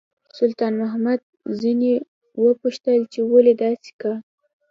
سلطان محمود ځنې وپوښتل چې ولې داسې کا.